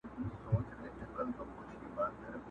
o په تېرو اوبو پسي څوک يوم نه وړي٫